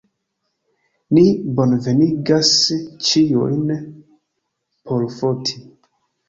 Ni bonvenigas ĉiujn por foti.